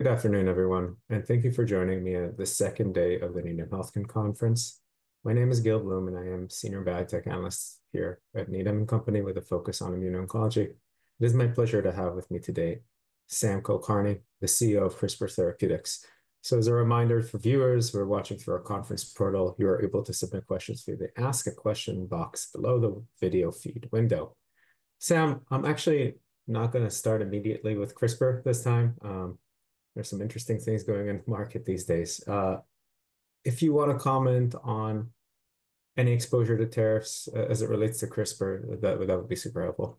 Good afternoon, everyone, and thank you for joining me on the second day of the Needham Healthcare Conference. My name is Gil Blum, and I am a senior biotech analyst here at Needham & Company with a focus on immuno-oncology. It is my pleasure to have with me today Sam Kulkarni, the CEO of CRISPR Therapeutics. As a reminder for viewers who are watching through our conference portal, you are able to submit questions through the Ask a Question box below the video feed window. Sam, I'm actually not going to start immediately with CRISPR this time. There are some interesting things going on in the market these days. If you want to comment on any exposure to tariffs as it relates to CRISPR, that would be super helpful.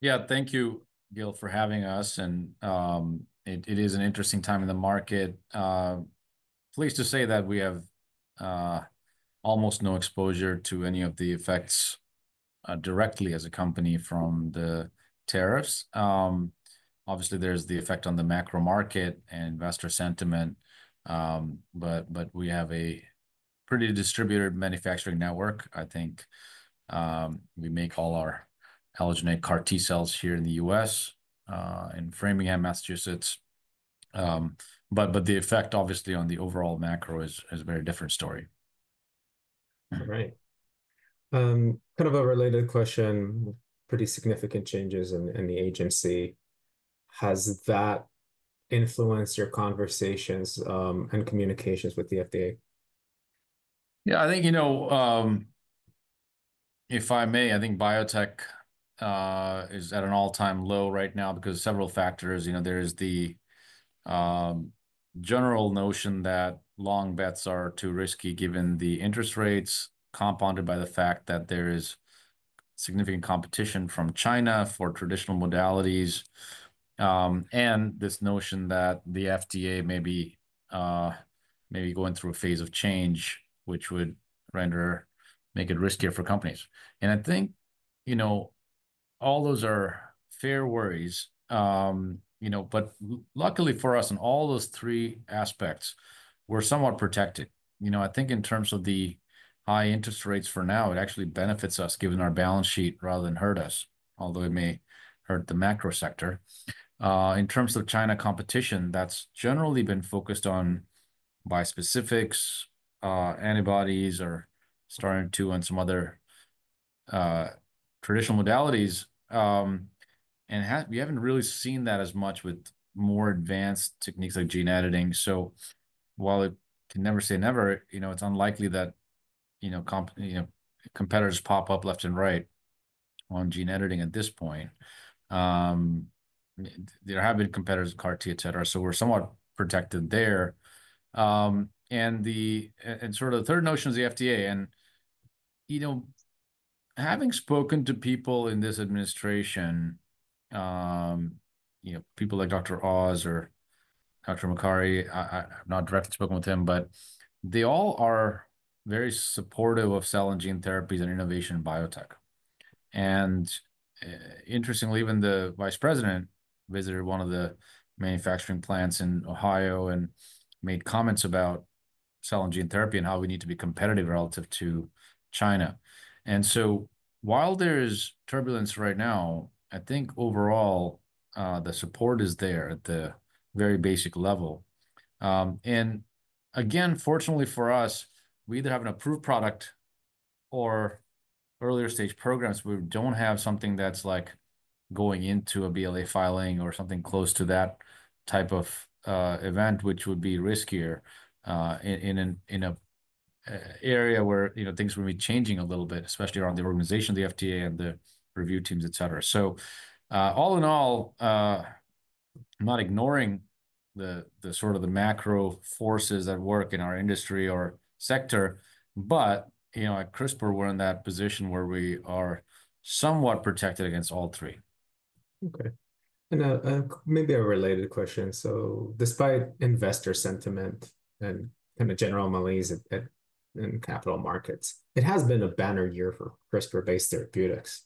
Yeah, thank you, Gil, for having us. It is an interesting time in the market. Pleased to say that we have almost no exposure to any of the effects directly as a company from the tariffs. Obviously, there's the effect on the macro market and investor sentiment, but we have a pretty distributed manufacturing network. I think we make all our allogeneic CAR-T cells here in the U.S., in Framingham, Massachusetts. The effect, obviously, on the overall macro is a very different story. All right. Kind of a related question, pretty significant changes in the agency. Has that influenced your conversations and communications with the FDA? Yeah, I think, you know, if I may, I think biotech is at an all-time low right now because of several factors. There is the general notion that long bets are too risky given the interest rates, compounded by the fact that there is significant competition from China for traditional modalities, and this notion that the FDA may be going through a phase of change, which would make it riskier for companies. I think, you know, all those are fair worries. Luckily for us, in all those three aspects, we're somewhat protected. You know, I think in terms of the high interest rates for now, it actually benefits us given our balance sheet rather than hurt us, although it may hurt the macro sector. In terms of China competition, that's generally been focused on bispecifics, antibodies, or starting to, and some other traditional modalities. We have not really seen that as much with more advanced techniques like gene editing. While it can never say never, you know, it is unlikely that, you know, competitors pop up left and right on gene editing at this point. There have been competitors in CAR-T, et cetera, so we are somewhat protected there. The sort of the third notion is the FDA. You know, having spoken to people in this administration, you know, people like Dr. Oz or Dr. Makary, I have not directly spoken with them, but they all are very supportive of cell and gene therapies and innovation in biotech. Interestingly, even the Vice President visited one of the manufacturing plants in Ohio and made comments about cell and gene therapy and how we need to be competitive relative to China. While there is turbulence right now, I think overall the support is there at the very basic level. Again, fortunately for us, we either have an approved product or earlier stage programs. We do not have something that is like going into a BLA filing or something close to that type of event, which would be riskier in an area where, you know, things will be changing a little bit, especially around the organization of the FDA and the review teams, et cetera. All in all, not ignoring the sort of the macro forces that work in our industry or sector, but, you know, at CRISPR, we are in that position where we are somewhat protected against all three. Okay. Maybe a related question. Despite investor sentiment and kind of general malaise in capital markets, it has been a banner year for CRISPR-based therapeutics.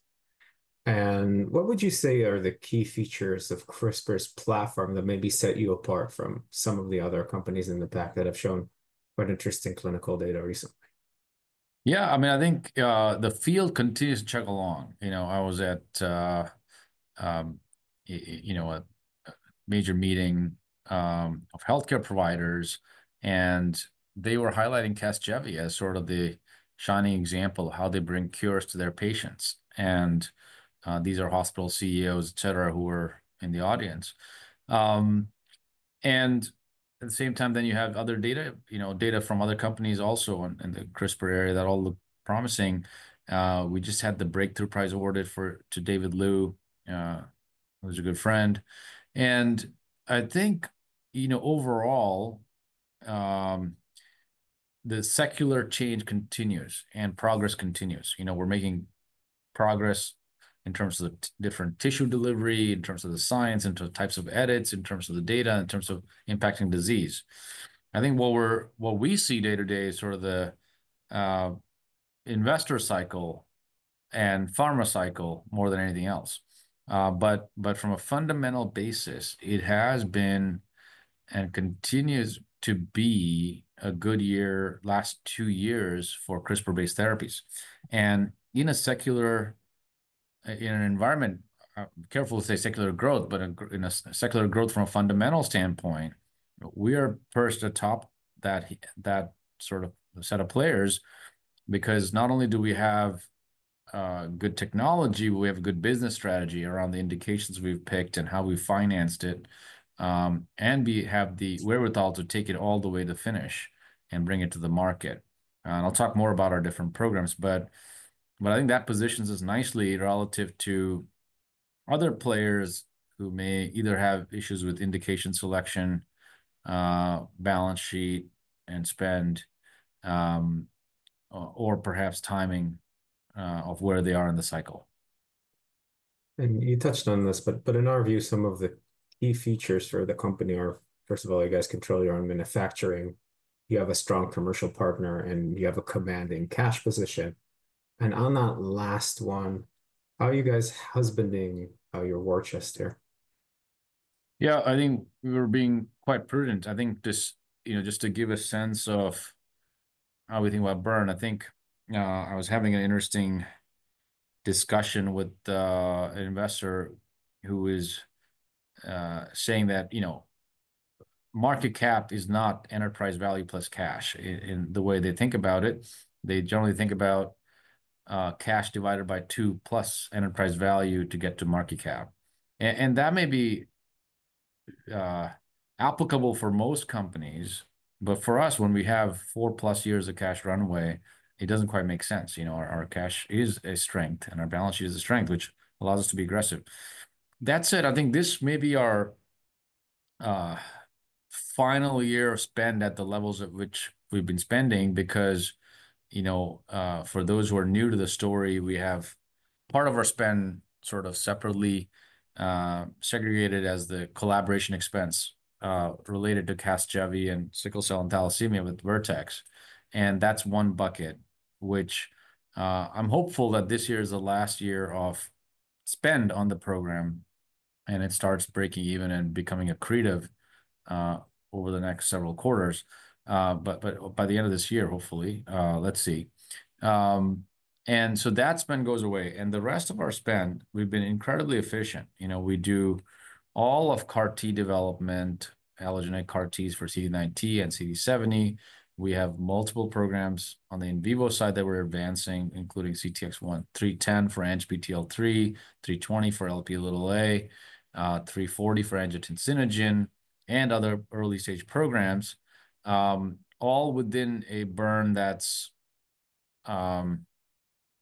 What would you say are the key features of CRISPR's platform that maybe set you apart from some of the other companies in the pack that have shown quite interesting clinical data recently? Yeah, I mean, I think the field continues to chug along. You know, I was at, you know, a major meeting of healthcare providers, and they were highlighting Casgevy as sort of the shining example of how they bring cures to their patients. And these are hospital CEOs, et cetera, who were in the audience. At the same time, you have other data, you know, data from other companies also in the CRISPR area that all look promising. We just had the Breakthrough Prize awarded to David Liu, who's a good friend. I think, you know, overall, the secular change continues and progress continues. You know, we're making progress in terms of the different tissue delivery, in terms of the science, in terms of types of edits, in terms of the data, in terms of impacting disease. I think what we see day to day is sort of the investor cycle and pharma cycle more than anything else. From a fundamental basis, it has been and continues to be a good year last two years for CRISPR-based therapies. In a secular, in an environment, I'm careful to say secular growth, but in a secular growth from a fundamental standpoint, we are perched atop that sort of set of players because not only do we have good technology, we have a good business strategy around the indications we've picked and how we financed it, and we have the wherewithal to take it all the way to finish and bring it to the market. I'll talk more about our different programs, but I think that positions us nicely relative to other players who may either have issues with indication selection, balance sheet, and spend, or perhaps timing of where they are in the cycle. You touched on this, but in our view, some of the key features for the company are, first of all, you guys control your own manufacturing. You have a strong commercial partner, and you have a commanding cash position. On that last one, how are you guys husbanding your war chest here? Yeah, I think we're being quite prudent. I think just, you know, just to give a sense of how we think about burn, I think I was having an interesting discussion with an investor who is saying that, you know, market cap is not enterprise value plus cash. In the way they think about it, they generally think about cash divided by two plus enterprise value to get to market cap. And that may be applicable for most companies, but for us, when we have four plus years of cash runway, it doesn't quite make sense. You know, our cash is a strength, and our balance sheet is a strength, which allows us to be aggressive. That said, I think this may be our final year of spend at the levels at which we've been spending because, you know, for those who are new to the story, we have part of our spend sort of separately segregated as the collaboration expense related to Casgevy and sickle cell and thalassemia with Vertex. That's one bucket, which I'm hopeful that this year is the last year of spend on the program, and it starts breaking even and becoming accretive over the next several quarters. By the end of this year, hopefully, let's see. That spend goes away. The rest of our spend, we've been incredibly efficient. You know, we do all of CAR-T development, allogeneic CAR-Ts for CD19 and CD70. We have multiple programs on the in vivo side that we're advancing, including CTX310 for ANGPTL3, 320 for Lp(a), 340 for angiotensinogen, and other early stage programs, all within a burn that's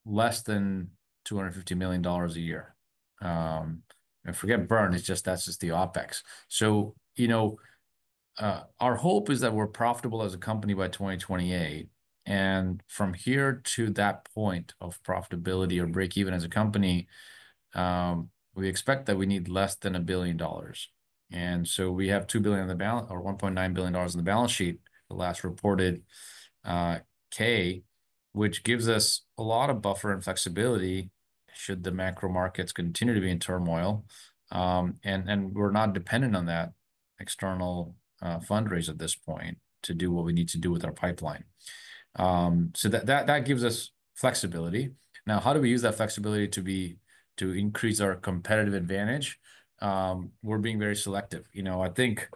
less than $250 million a year. And forget burn, it's just, that's just the OpEx. You know, our hope is that we're profitable as a company by 2028. From here to that point of profitability or break even as a company, we expect that we need less than $1 billion. We have $2 billion on the balance or $1.9 billion on the balance sheet. Last reported K, which gives us a lot of buffer and flexibility should the macro markets continue to be in turmoil. We're not dependent on that external fundraiser at this point to do what we need to do with our pipeline. That gives us flexibility. Now, how do we use that flexibility to increase our competitive advantage? We're being very selective. You know, I think,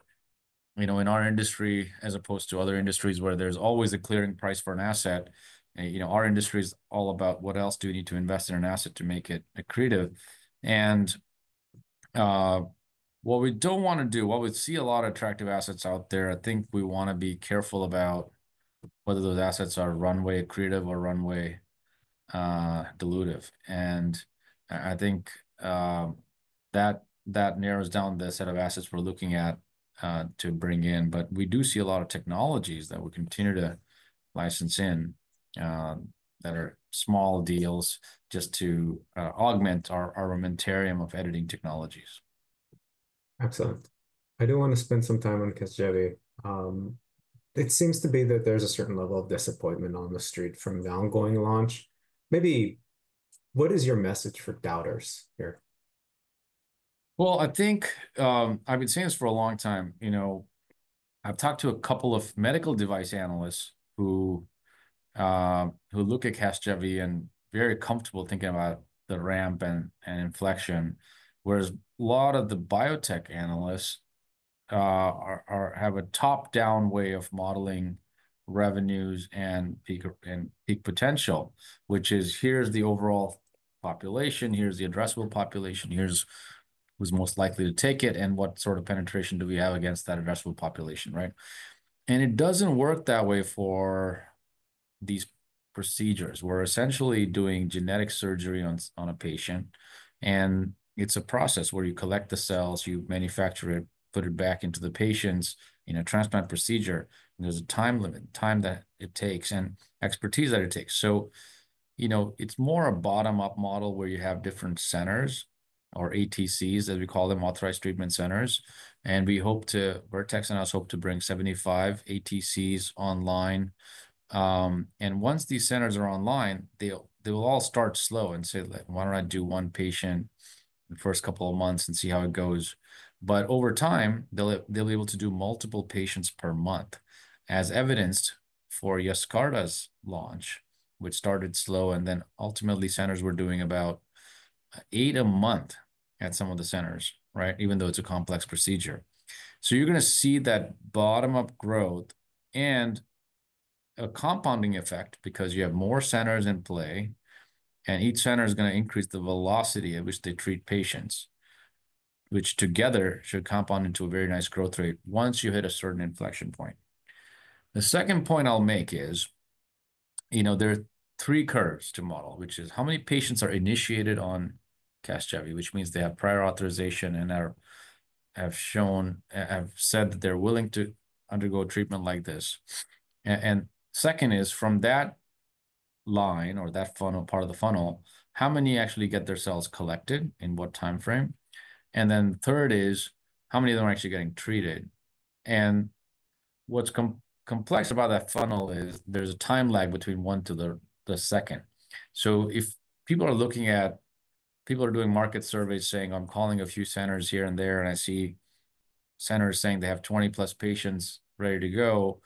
you know, in our industry, as opposed to other industries where there's always a clearing price for an asset, you know, our industry is all about what else do we need to invest in an asset to make it accretive. What we don't want to do, we see a lot of attractive assets out there, I think we want to be careful about whether those assets are runway accretive or runway dilutive. I think that narrows down the set of assets we're looking at to bring in. We do see a lot of technologies that we continue to license in that are small deals just to augment our armamentarium of editing technologies. Excellent. I do want to spend some time on Casgevy. It seems to be that there's a certain level of disappointment on the street from the ongoing launch. Maybe what is your message for doubters here? I think I've been saying this for a long time. You know, I've talked to a couple of medical device analysts who look at Casgevy and are very comfortable thinking about the ramp and inflection, whereas a lot of the biotech analysts have a top-down way of modeling revenues and peak potential, which is, here's the overall population, here's the addressable population, here's who's most likely to take it, and what sort of penetration do we have against that addressable population, right? It doesn't work that way for these procedures. We're essentially doing genetic surgery on a patient, and it's a process where you collect the cells, you manufacture it, put it back into the patients, you know, transplant procedure, and there's a time limit, time that it takes and expertise that it takes. You know, it's more a bottom-up model where you have different centers or ATCs, as we call them, authorized treatment centers. We hope to, Vertex and I hope to bring 75 ATCs online. Once these centers are online, they will all start slow and say, "Why don't I do one patient in the first couple of months and see how it goes?" Over time, they'll be able to do multiple patients per month, as evidenced for Yescarta's launch, which started slow, and then ultimately centers were doing about eight a month at some of the centers, right, even though it's a complex procedure. You're going to see that bottom-up growth and a compounding effect because you have more centers in play, and each center is going to increase the velocity at which they treat patients, which together should compound into a very nice growth rate once you hit a certain inflection point. The second point I'll make is, you know, there are three curves to model, which is how many patients are initiated on Casgevy, which means they have prior authorization and have shown, have said that they're willing to undergo treatment like this. And second is from that line or that funnel, part of the funnel, how many actually get their cells collected in what time frame? And then third is how many of them are actually getting treated? What's complex about that funnel is there's a time lag between one to the second. If people are looking at, people are doing market surveys saying, "I'm calling a few centers here and there," and I see centers saying they have 20 plus patients ready to go.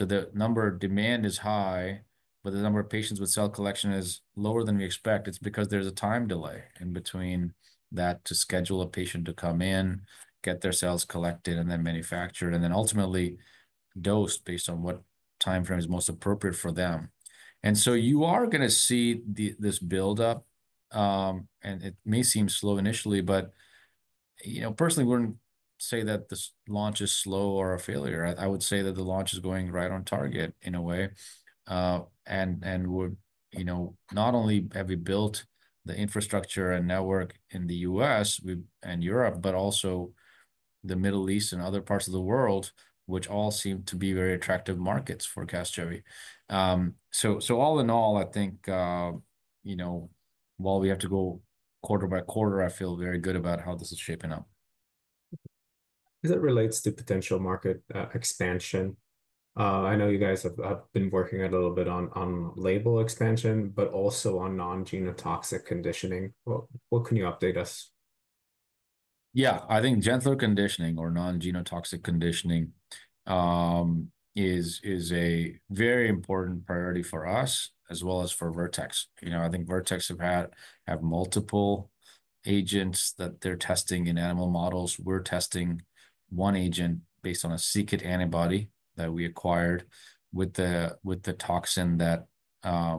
The number of demand is high, but the number of patients with cell collection is lower than we expect. It's because there's a time delay in between that to schedule a patient to come in, get their cells collected, and then manufactured, and then ultimately dosed based on what time frame is most appropriate for them. You are going to see this buildup, and it may seem slow initially, but, you know, personally, we wouldn't say that this launch is slow or a failure. I would say that the launch is going right on target in a way. We are, you know, not only have we built the infrastructure and network in the U.S. and Europe, but also the Middle East and other parts of the world, which all seem to be very attractive markets for Casgevy. All in all, I think, you know, while we have to go quarter by quarter, I feel very good about how this is shaping up. As it relates to potential market expansion, I know you guys have been working a little bit on label expansion, but also on non-genotoxic conditioning. What can you update us? Yeah, I think gentler conditioning or non-genotoxic conditioning is a very important priority for us as well as for Vertex. You know, I think Vertex have had multiple agents that they're testing in animal models. We're testing one agent based on a c-Kit antibody that we acquired with the toxin that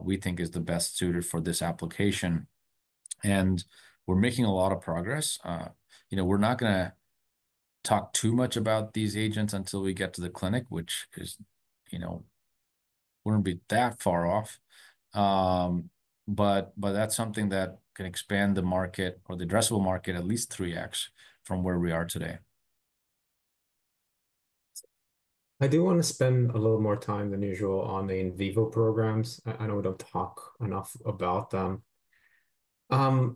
we think is the best suited for this application. And we're making a lot of progress. You know, we're not going to talk too much about these agents until we get to the clinic, which is, you know, we're not going to be that far off. But that's something that can expand the market or the addressable market at least 3X from where we are today. I do want to spend a little more time than usual on the in vivo programs. I know we do not talk enough about them. One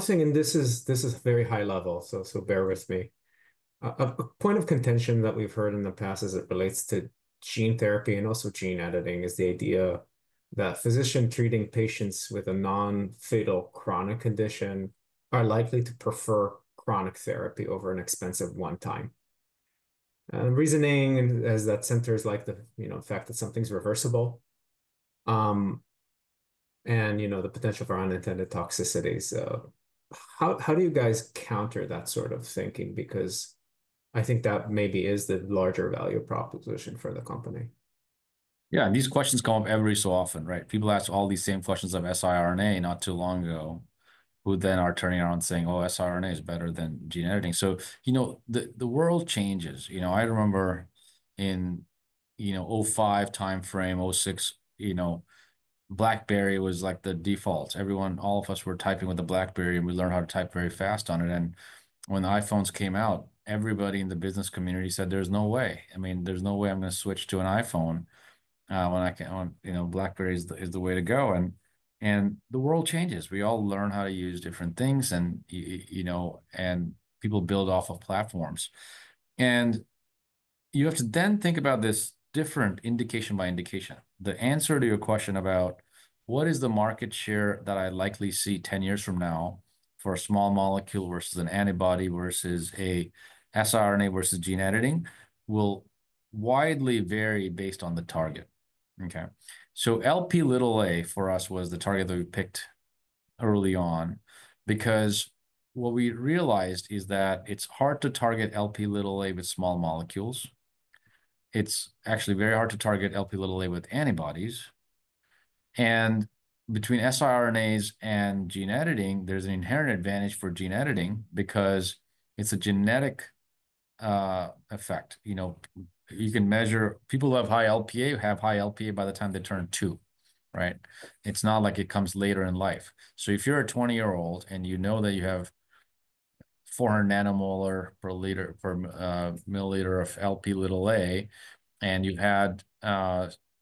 thing, and this is very high level, so bear with me. A point of contention that we have heard in the past as it relates to gene therapy and also gene editing is the idea that physicians treating patients with a non-fatal chronic condition are likely to prefer chronic therapy over an expensive one-time. The reasoning is that centers like the, you know, the fact that something is reversible and, you know, the potential for unintended toxicities. How do you guys counter that sort of thinking? Because I think that maybe is the larger value proposition for the company. Yeah, and these questions come up every so often, right? People ask all these same questions of siRNA not too long ago, who then are turning around saying, "Oh, siRNA is better than gene editing." You know, the world changes. You know, I remember in, you know, 2005 time frame, 2006, you know, BlackBerry was like the default. Everyone, all of us were typing with the BlackBerry, and we learned how to type very fast on it. When the iPhones came out, everybody in the business community said, "There's no way. I mean, there's no way I'm going to switch to an iPhone when I can, you know, BlackBerry is the way to go." The world changes. We all learn how to use different things, and, you know, people build off of platforms. You have to then think about this different indication by indication. The answer to your question about what is the market share that I likely see 10 years from now for a small molecule versus an antibody versus a siRNA versus gene editing will widely vary based on the target. Okay. LPA for us was the target that we picked early on because what we realized is that it's hard to target LPA with small molecules. It's actually very hard to target LPA with antibodies. And between siRNAs and gene editing, there's an inherent advantage for gene editing because it's a genetic effect. You know, you can measure people who have high LPA have high LPA by the time they turn two, right? It's not like it comes later in life. If you're a 20-year-old and you know that you have 400 nanomolar per milliliter of LPA and you've had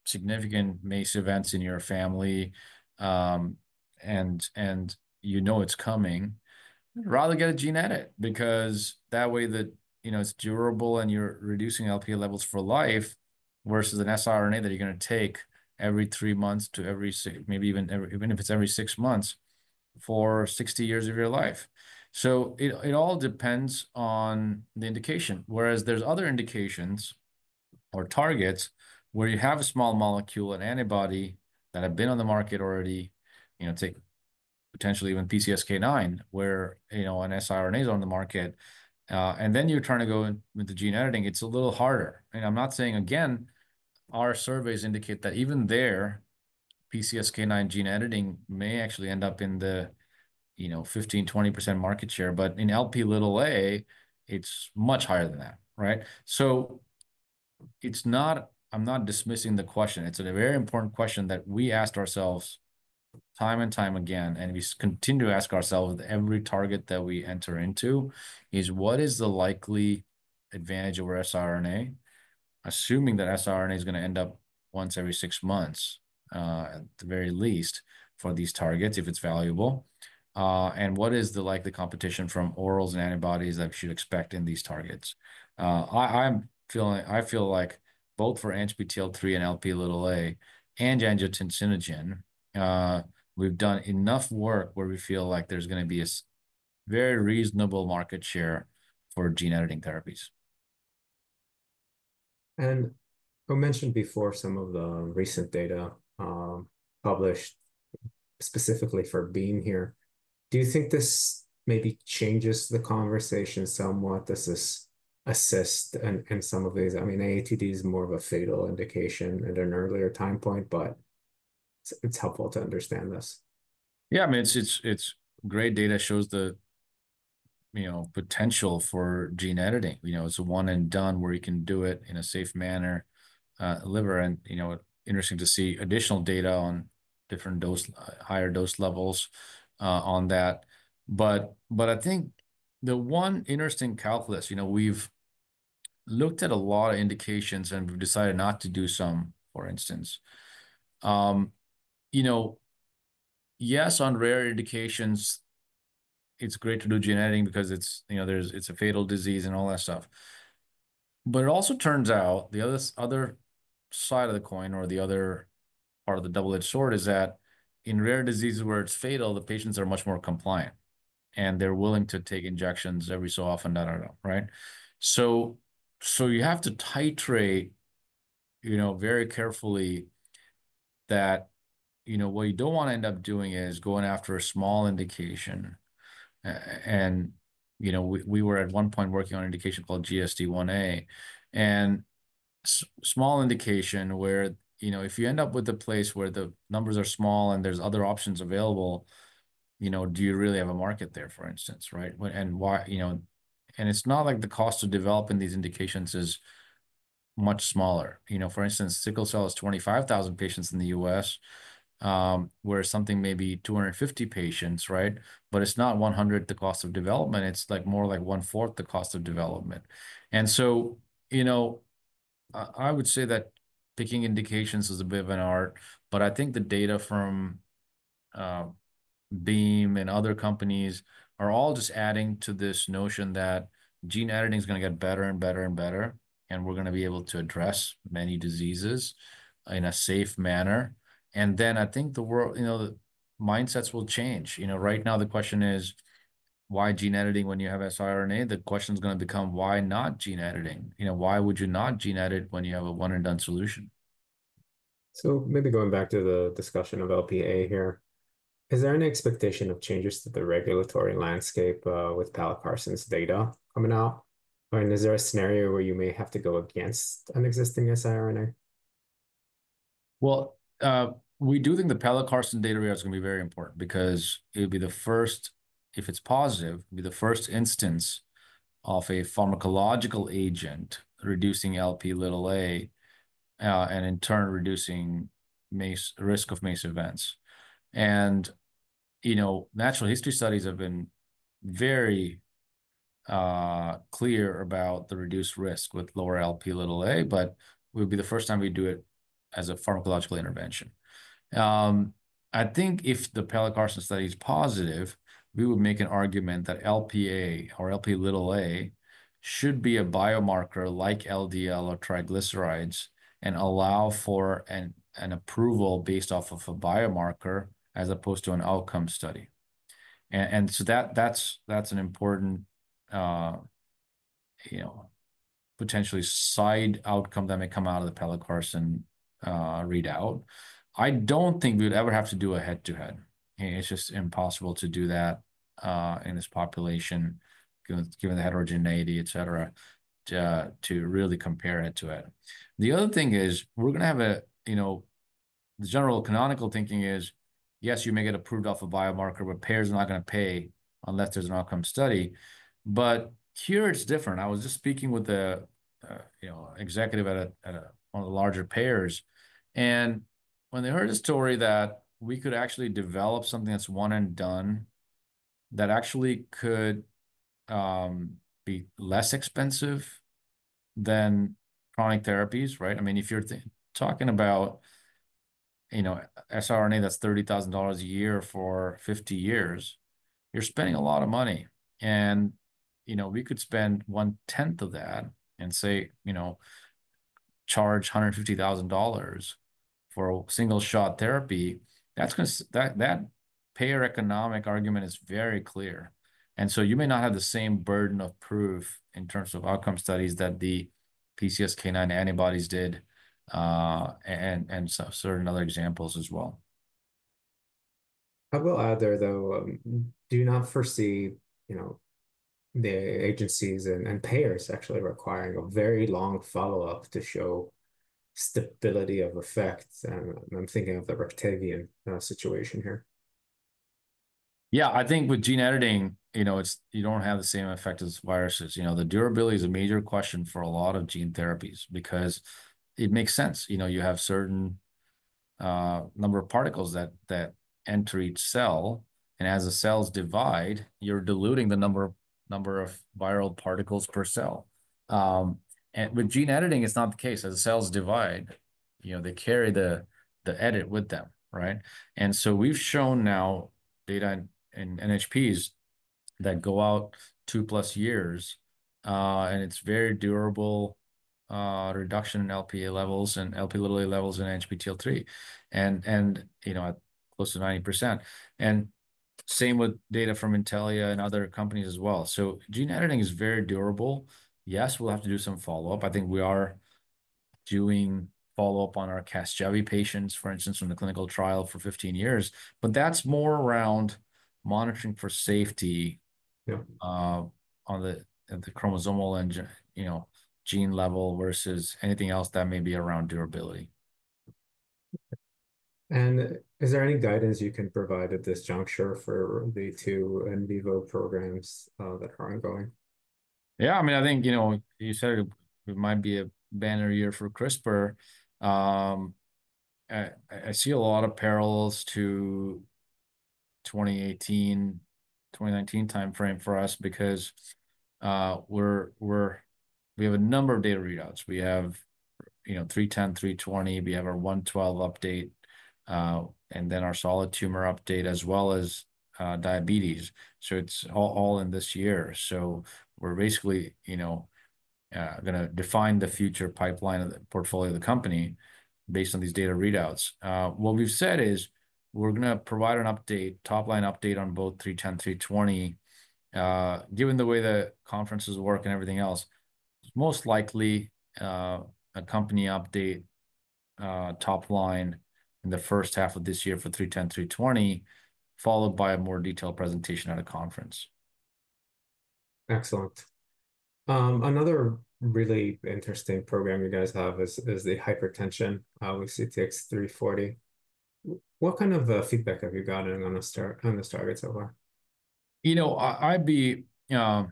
significant MACE events in your family and you know it's coming, rather get a gene edit because that way that, you know, it's durable and you're reducing LPA levels for life versus an siRNA that you're going to take every three months to every, maybe even if it's every six months for 60 years of your life. It all depends on the indication, whereas there's other indications or targets where you have a small molecule, an antibody that have been on the market already, you know, take potentially even PCSK9 where, you know, an siRNA is on the market, and then you're trying to go into gene editing, it's a little harder. I'm not saying again, our surveys indicate that even there, PCSK9 gene editing may actually end up in the, you know, 15-20% market share, but in LPA, it's much higher than that, right? It's not, I'm not dismissing the question. It's a very important question that we asked ourselves time and time again, and we continue to ask ourselves with every target that we enter into is what is the likely advantage of our siRNA, assuming that siRNA is going to end up once every six months at the very least for these targets if it's valuable, and what is the likely competition from orals and antibodies that we should expect in these targets? I feel like both for ANGPTL3 and LPA and angiotensinogen, we've done enough work where we feel like there's going to be a very reasonable market share for gene editing therapies. You mentioned before some of the recent data published specifically for Beam here. Do you think this maybe changes the conversation somewhat? Does this assist in some of these? I mean, AATD is more of a fatal indication at an earlier time point, but it's helpful to understand this. Yeah, I mean, it's great data shows the, you know, potential for gene editing. You know, it's a one-and-done where you can do it in a safe manner. Liver, and you know, interesting to see additional data on different dose, higher dose levels on that. I think the one interesting calculus, you know, we've looked at a lot of indications and we've decided not to do some, for instance. You know, yes, on rare indications, it's great to do gene editing because it's, you know, it's a fatal disease and all that stuff. It also turns out the other side of the coin or the other part of the double-edged sword is that in rare diseases where it's fatal, the patients are much more compliant and they're willing to take injections every so often that I know, right? You have to titrate, you know, very carefully that, you know, what you do not want to end up doing is going after a small indication. You know, we were at one point working on an indication called GSD1A, and small indication where, you know, if you end up with a place where the numbers are small and there are other options available, you know, do you really have a market there, for instance, right? Why, you know, and it is not like the cost of developing these indications is much smaller. You know, for instance, sickle cell is 25,000 patients in the U.S., whereas something may be 250 patients, right? It is not one hundredth the cost of development. It is more like one-fourth the cost of development. You know, I would say that picking indications is a bit of an art, but I think the data from Beam and other companies are all just adding to this notion that gene editing is going to get better and better and better, and we're going to be able to address many diseases in a safe manner. I think the world, you know, mindsets will change. You know, right now the question is, why gene editing when you have siRNA? The question is going to become, why not gene editing? You know, why would you not gene edit when you have a one-and-done solution? Maybe going back to the discussion of LPA here, is there an expectation of changes to the regulatory landscape with Pelacarsen's data coming out? Is there a scenario where you may have to go against an existing siRNA? We do think the Pelacarsen data read is going to be very important because it would be the first, if it's positive, it would be the first instance of a pharmacological agent reducing LPA and in turn reducing risk of MACE events. You know, natural history studies have been very clear about the reduced risk with lower LPA, but it would be the first time we do it as a pharmacological intervention. I think if the Pelacarsen study is positive, we would make an argument that LPA should be a biomarker like LDL or triglycerides and allow for an approval based off of a biomarker as opposed to an outcome study. That is an important, you know, potentially side outcome that may come out of the Pelacarsen readout. I don't think we would ever have to do a head-to-head. It's just impossible to do that in this population, given the heterogeneity, et cetera, to really compare head-to-head. The other thing is we're going to have a, you know, the general canonical thinking is, yes, you may get approved off a biomarker, but payers are not going to pay unless there's an outcome study. Here it's different. I was just speaking with the, you know, executive at one of the larger payers. When they heard a story that we could actually develop something that's one-and-done that actually could be less expensive than chronic therapies, right? I mean, if you're talking about, you know, siRNA that's $30,000 a year for 50 years, you're spending a lot of money. You know, we could spend one-tenth of that and say, you know, charge $150,000 for a single-shot therapy. That payer economic argument is very clear. You may not have the same burden of proof in terms of outcome studies that the PCSK9 antibodies did and certain other examples as well. I will add there, though, do not foresee, you know, the agencies and payers actually requiring a very long follow-up to show stability of effects. I am thinking of the Roctavian situation here. Yeah, I think with gene editing, you know, you don't have the same effect as viruses. You know, the durability is a major question for a lot of gene therapies because it makes sense. You know, you have a certain number of particles that enter each cell, and as the cells divide, you're diluting the number of viral particles per cell. With gene editing, it's not the case. As the cells divide, you know, they carry the edit with them, right? We've shown now data in NHPs that go out two-plus years, and it's very durable reduction in LPA levels and ANGPTL3, and, you know, close to 90%. Same with data from Intellia and other companies as well. Gene editing is very durable. Yes, we'll have to do some follow-up. I think we are doing follow-up on our Casgevy patients, for instance, from the clinical trial for 15 years, but that's more around monitoring for safety on the chromosomal, you know, gene level versus anything else that may be around durability. Is there any guidance you can provide at this juncture for the two in vivo programs that are ongoing? Yeah, I mean, I think, you know, you said it might be a banner year for CRISPR. I see a lot of parallels to the 2018, 2019 time frame for us because we have a number of data readouts. We have, you know, 310, 320. We have our 112 update, and then our solid tumor update as well as diabetes. It is all in this year. We are basically, you know, going to define the future pipeline of the portfolio of the company based on these data readouts. What we have said is we are going to provide an update, top-line update on both 310, 320. Given the way the conferences work and everything else, it is most likely a company update top-line in the first half of this year for 310, 320, followed by a more detailed presentation at a conference. Excellent. Another really interesting program you guys have is the hypertension, CTX340. What kind of feedback have you gotten on the targets so far? You know, I'd be, I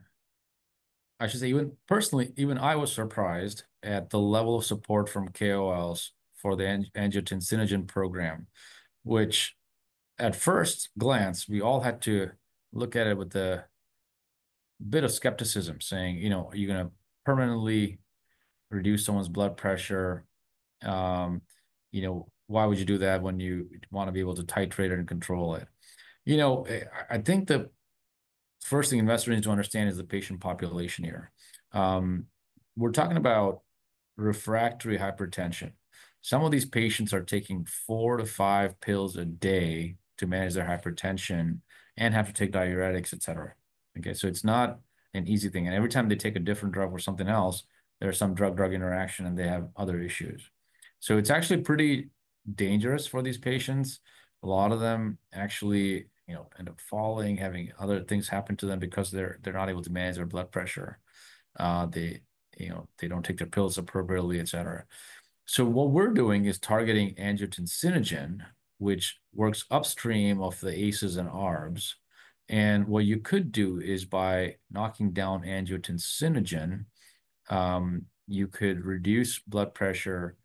should say, even personally, even I was surprised at the level of support from KOLs for the angiotensinogen program, which at first glance, we all had to look at it with a bit of skepticism, saying, you know, are you going to permanently reduce someone's blood pressure? You know, why would you do that when you want to be able to titrate it and control it? You know, I think the first thing investors need to understand is the patient population here. We're talking about refractory hypertension. Some of these patients are taking four to five pills a day to manage their hypertension and have to take diuretics, et cetera. Okay? It is not an easy thing. Every time they take a different drug or something else, there is some drug-drug interaction and they have other issues. It is actually pretty dangerous for these patients. A lot of them actually, you know, end up falling, having other things happen to them because they're not able to manage their blood pressure. They, you know, they don't take their pills appropriately, et cetera. What we're doing is targeting angiotensinogen, which works upstream of the ACEs and ARBs. What you could do is by knocking down angiotensinogen, you could reduce blood pressure,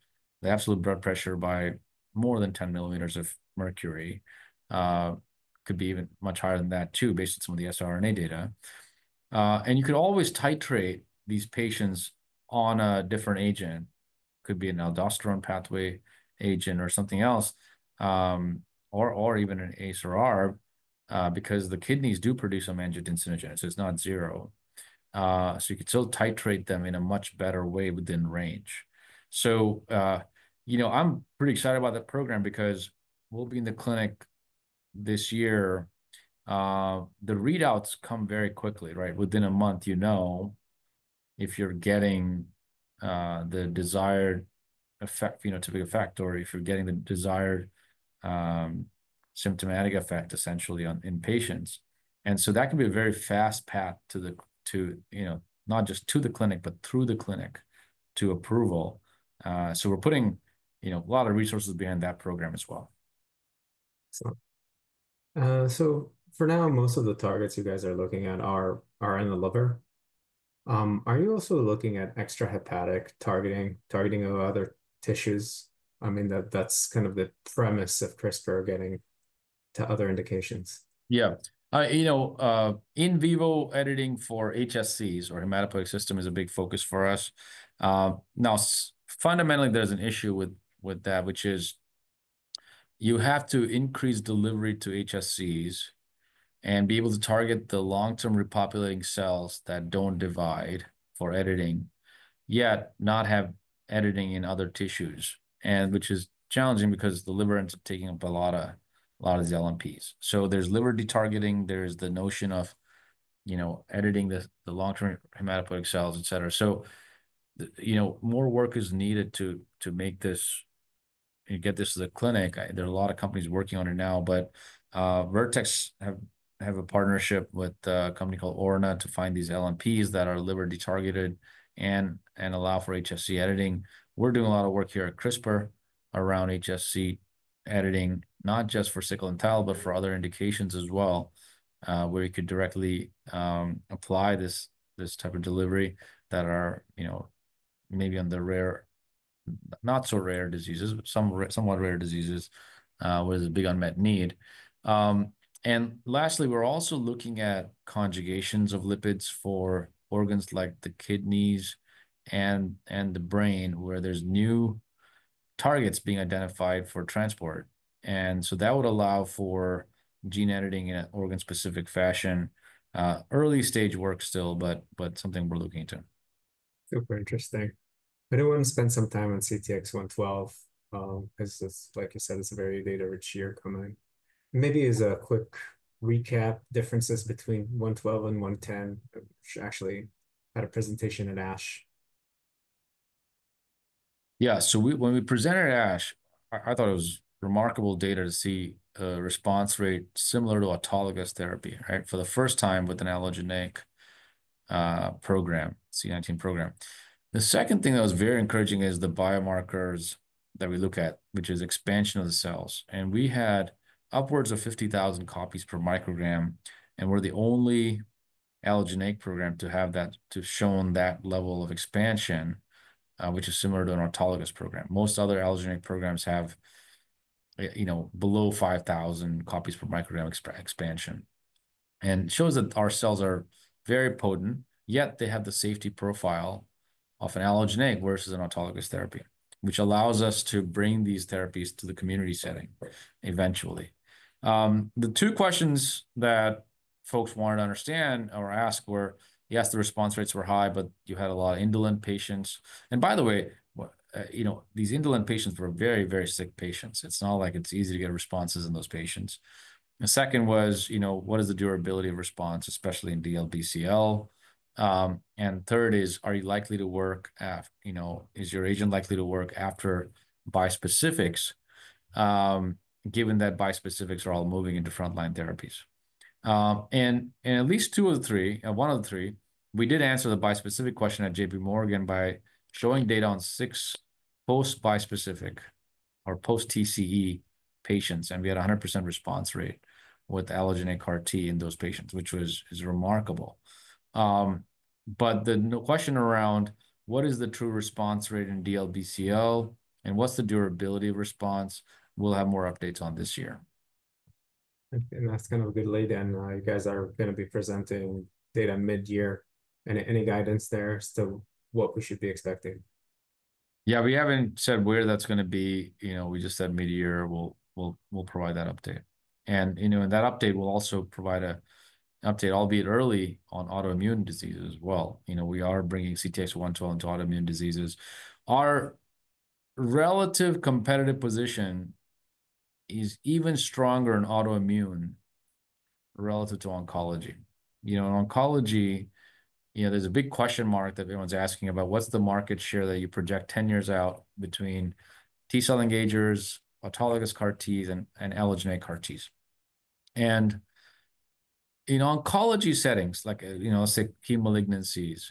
the absolute blood pressure by more than 10 millimeters of mercury. Could be even much higher than that too, based on some of the siRNA data. You could always titrate these patients on a different agent. Could be an aldosterone pathway agent or something else, or even an ACE or ARB, because the kidneys do produce some angiotensinogen, so it's not zero. You could still titrate them in a much better way within range. You know, I'm pretty excited about the program because we'll be in the clinic this year. The readouts come very quickly, right? Within a month, you know if you're getting the desired effect, you know, typical factor, if you're getting the desired symptomatic effect essentially in patients. That can be a very fast path to the, you know, not just to the clinic, but through the clinic to approval. We're putting, you know, a lot of resources behind that program as well. For now, most of the targets you guys are looking at are in the liver. Are you also looking at extrahepatic targeting of other tissues? I mean, that's kind of the premise of CRISPR getting to other indications. Yeah. You know, in vivo editing for HSCs or hematopoietic system is a big focus for us. Now, fundamentally, there's an issue with that, which is you have to increase delivery to HSCs and be able to target the long-term repopulating cells that don't divide for editing, yet not have editing in other tissues, which is challenging because the liver ends up taking up a lot of the LNPs. There's liver detargeting. There's the notion of, you know, editing the long-term hematopoietic cells, et cetera. You know, more work is needed to make this and get this to the clinic. There are a lot of companies working on it now, but Vertex have a partnership with a company called Orna to find these LNPs that are liver detargeted and allow for HSC editing. We're doing a lot of work here at CRISPR around HSC editing, not just for sickle and thal, but for other indications as well, where you could directly apply this type of delivery that are, you know, maybe on the rare, not so rare diseases, but somewhat rare diseases with a big unmet need. Lastly, we're also looking at conjugations of lipids for organs like the kidneys and the brain, where there's new targets being identified for transport. That would allow for gene editing in an organ-specific fashion. Early stage work still, but something we're looking into. Super interesting. I did want to spend some time on CTX112 because, like you said, it's a very data-rich year coming. Maybe as a quick recap, differences between 112 and 110, which actually had a presentation at ASH. Yeah. When we presented at ASH, I thought it was remarkable data to see a response rate similar to autologous therapy, right? For the first time with an allogeneic program, C19 program. The second thing that was very encouraging is the biomarkers that we look at, which is expansion of the cells. We had upwards of 50,000 copies per microgram, and we're the only allogeneic program to have that, to show on that level of expansion, which is similar to an autologous program. Most other allogeneic programs have, you know, below 5,000 copies per microgram expansion. It shows that our cells are very potent, yet they have the safety profile of an allogeneic versus an autologous therapy, which allows us to bring these therapies to the community setting eventually. The two questions that folks wanted to understand or ask were, yes, the response rates were high, but you had a lot of indolent patients. By the way, you know, these indolent patients were very, very sick patients. It's not like it's easy to get responses in those patients. The second was, you know, what is the durability of response, especially in DLBCL? Third is, are you likely to work, you know, is your agent likely to work after bispecifics, given that bispecifics are all moving into frontline therapies? At least two of the three, one of the three, we did answer the bispecific question at JP Morgan by showing data on six post-bispecific or post-TCE patients, and we had a 100% response rate with allogeneic RT in those patients, which was remarkable. The question around what is the true response rate in DLBCL and what is the durability of response, we'll have more updates on this year. That's kind of a good lead in. You guys are going to be presenting data mid-year. Any guidance there as to what we should be expecting? Yeah, we haven't said where that's going to be. You know, we just said mid-year, we'll provide that update. You know, in that update, we'll also provide an update, albeit early, on autoimmune diseases as well. You know, we are bringing CTX112 into autoimmune diseases. Our relative competitive position is even stronger in autoimmune relative to oncology. You know, in oncology, there's a big question mark that everyone's asking about what's the market share that you project 10 years out between T-cell engagers, autologous CAR-Ts, and allogeneic CAR-Ts. In oncology settings, like, you know, let's say chemolignancies,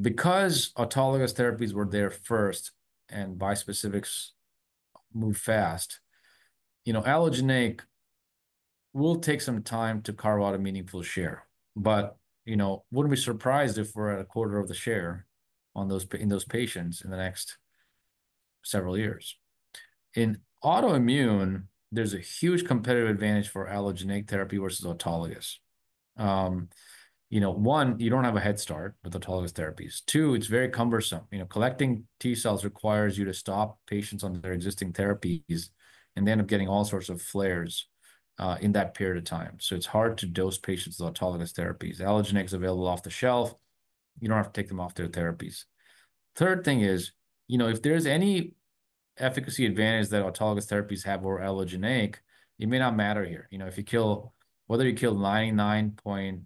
because autologous therapies were there first and bispecifics moved fast, you know, allogeneic will take some time to carve out a meaningful share. You know, wouldn't be surprised if we're at a quarter of the share in those patients in the next several years. In autoimmune, there's a huge competitive advantage for allogeneic therapy versus autologous. You know, one, you don't have a head start with autologous therapies. Two, it's very cumbersome. You know, collecting T-cells requires you to stop patients on their existing therapies and they end up getting all sorts of flares in that period of time. It's hard to dose patients with autologous therapies. Allogeneic is available off the shelf. You don't have to take them off their therapies. Third thing is, you know, if there's any efficacy advantage that autologous therapies have or allogeneic, it may not matter here. You know, if you kill, whether you kill 99.8%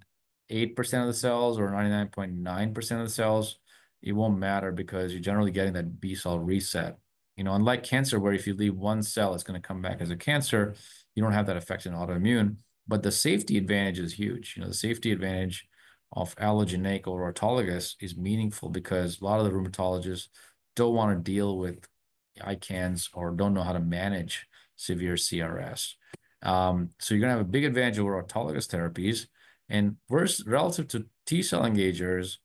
of the cells or 99.9% of the cells, it won't matter because you're generally getting that B-cell reset. You know, unlike cancer, where if you leave one cell, it's going to come back as a cancer, you don't have that effect in autoimmune. The safety advantage is huge. You know, the safety advantage of allogeneic or autologous is meaningful because a lot of the rheumatologists don't want to deal with ICANS or don't know how to manage severe CRS. You're going to have a big advantage over autologous therapies. Relative to T-cell engagers,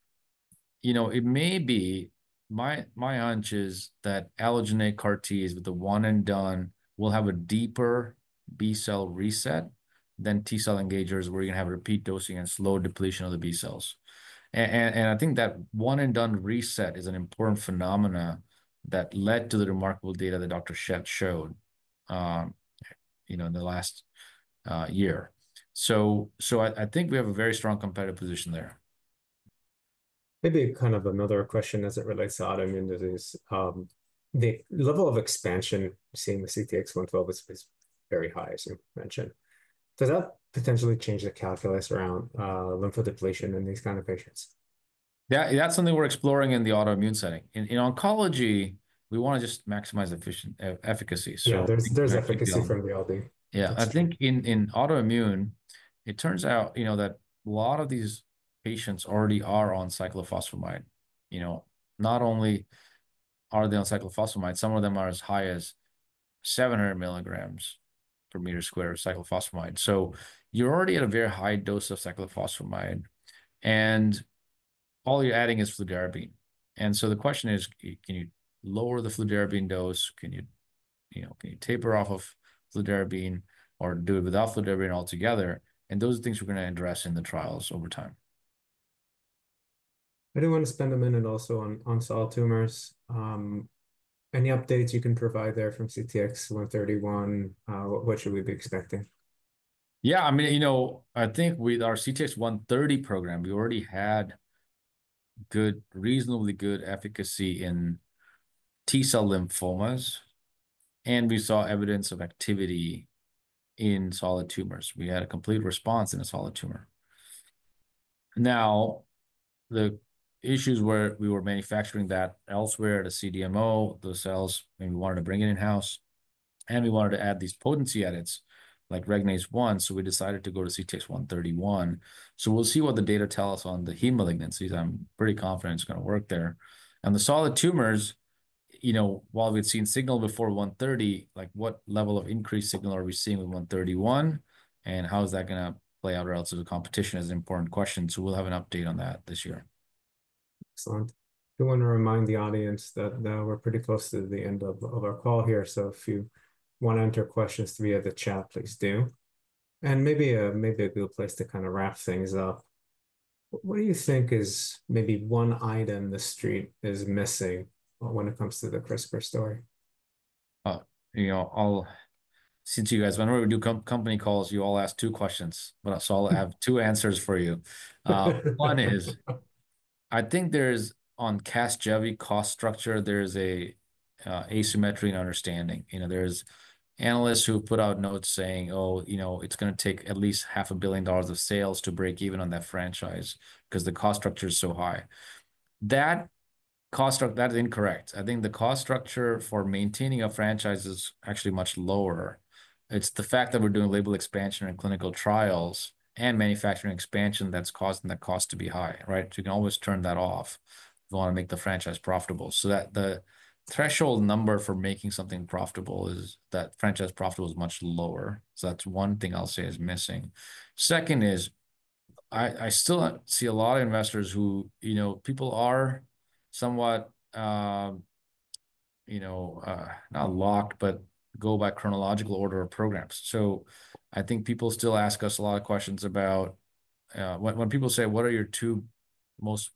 you know, it may be, my hunch is that allogeneic CAR-Ts with the one-and-done will have a deeper B-cell reset than T-cell engagers where you're going to have repeat dosing and slow depletion of the B-cells. I think that one-and-done reset is an important phenomena that led to the remarkable data that Dr. Schett showed, you know, in the last year. I think we have a very strong competitive position there. Maybe kind of another question as it relates to autoimmune disease. The level of expansion seen with CTX112 is very high, as you mentioned. Does that potentially change the calculus around lymphodepletion in these kinds of patients? Yeah, that's something we're exploring in the autoimmune setting. In oncology, we want to just maximize efficacy. Yeah, there's efficacy from the LD. Yeah. I think in autoimmune, it turns out, you know, that a lot of these patients already are on cyclophosphamide. You know, not only are they on cyclophosphamide, some of them are as high as 700 mg per meter square of cyclophosphamide. You are already at a very high dose of cyclophosphamide, and all you're adding is fludarabine. The question is, can you lower the fludarabine dose? Can you, you know, can you taper off of fludarabine or do it without fludarabine altogether? Those are things we're going to address in the trials over time. I did want to spend a minute also on solid tumors. Any updates you can provide there from CTX131? What should we be expecting? Yeah, I mean, you know, I think with our CTX130 program, we already had good, reasonably good efficacy in T-cell lymphomas, and we saw evidence of activity in solid tumors. We had a complete response in a solid tumor. Now, the issues where we were manufacturing that elsewhere at a CDMO, those cells, we wanted to bring it in-house, and we wanted to add these potency edits like Regnase-1, so we decided to go to CTX131. We'll see what the data tell us on the hemolignancies. I'm pretty confident it's going to work there. The solid tumors, you know, while we've seen signal before 130, like what level of increased signal are we seeing with 131, and how is that going to play out relative to competition is an important question. We'll have an update on that this year. Excellent. I want to remind the audience that we're pretty close to the end of our call here. If you want to enter questions via the chat, please do. Maybe a good place to kind of wrap things up, what do you think is maybe one item the street is missing when it comes to the CRISPR story? You know, I'll, since you guys went over to do company calls, you all asked two questions, so I'll have two answers for you. One is, I think there's on CASGEVY cost structure, there's an asymmetry in understanding. You know, there's analysts who put out notes saying, oh, you know, it's going to take at least $500,000,000 of sales to break even on that franchise because the cost structure is so high. That cost structure, that is incorrect. I think the cost structure for maintaining a franchise is actually much lower. It's the fact that we're doing label expansion and clinical trials and manufacturing expansion that's causing the cost to be high, right? You can always turn that off if you want to make the franchise profitable. The threshold number for making something profitable is that franchise profitable is much lower. That's one thing I'll say is missing. Second is, I still see a lot of investors who, you know, people are somewhat, you know, not locked, but go by chronological order of programs. I think people still ask us a lot of questions about when people say, what are your two most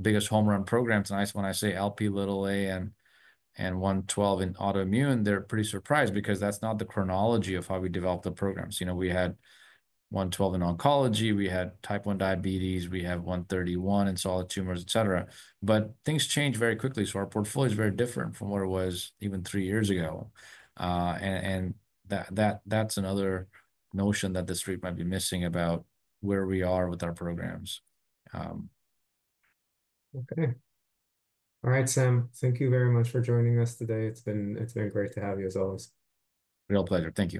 biggest home run programs? When I say LPA and 112 in autoimmune, they're pretty surprised because that's not the chronology of how we develop the programs. You know, we had 112 in oncology, we had type 1 diabetes, we have 131 in solid tumors, et cetera. Things change very quickly. Our portfolio is very different from what it was even three years ago. That's another notion that the street might be missing about where we are with our programs. Okay. All right, Sam, thank you very much for joining us today. It's been great to have you as always. Real pleasure. Thank you.